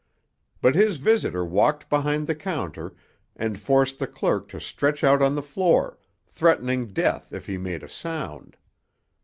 But his visitor walked behind the counter and forced the clerk to stretch out on the floor, threatening death if he made a sound.